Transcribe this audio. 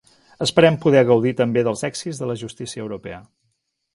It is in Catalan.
Esperem poder gaudir també dels èxits de la justícia europea.